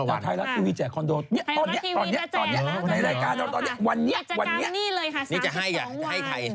ให้คนที่ดูไทยรัฐที